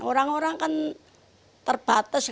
orang orang kan terbatas